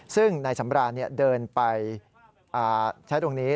ซึ่งนายสำรานเดินไปใช้ตรงนี้